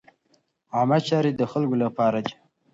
عامه چارې د خلکو له پاره دي.